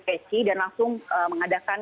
presi dan langsung mengadakan